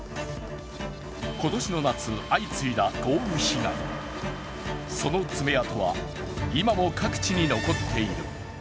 今年の夏、相次いだ豪雨被害、その爪痕は今も各地に残っている。